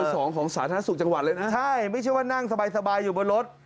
สองของสาธารณสุขจังหวัดเลยนะใช่ไม่ใช่ว่านั่งสบายสบายอยู่บนรถ